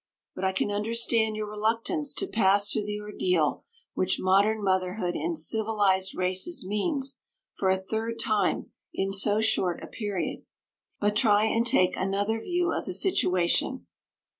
But I can understand your reluctance to pass through the ordeal which modern motherhood in civilized races means, for a third time, in so short a period. But try and take another view of the situation.